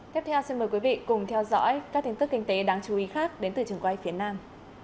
tiếp theo xin mời quý vị cùng theo dõi các tin tức kinh tế đáng chú ý khác đến từ trường quay phía nam